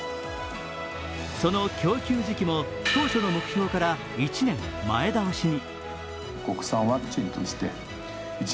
その供給時期も当初の目標から１年前倒しに。